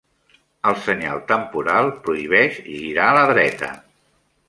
El senyal temporal prohibeix girar a la dreta.